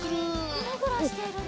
グラグラしているね。